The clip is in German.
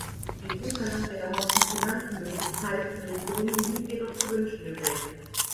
Die Zuteilung der erhofften Finanzen durch die beteiligten Regierungen ließ jedoch zu wünschen übrig.